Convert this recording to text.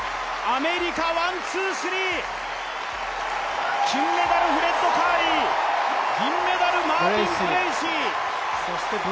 アメリカ、ワン・ツー・スリー金メダル、フレッド・カーリー、銀メダル、マービン・ブレーシー。